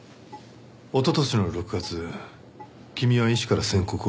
おととしの６月君は医師から宣告を受けてる。